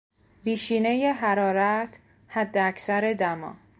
بیشینهی حرارت، حداکثر دما